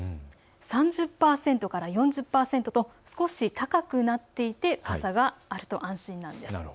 ３０％から４０％と少し高くなっていて傘があると安心です。